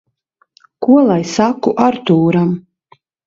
Ko lai saku Artūram?